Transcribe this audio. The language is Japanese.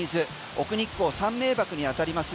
奥日光三名瀑に当たります